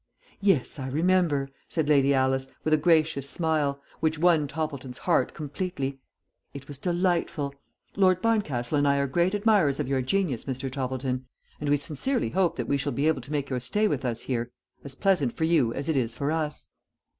"Yes, I remember," said Lady Alice, with a gracious smile, which won Toppleton's heart completely, "it was delightful. Lord Barncastle and I are great admirers of your genius, Mr. Toppleton, and we sincerely hope that we shall be able to make your stay with us here as pleasant for you as it is for us."